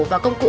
và công cụ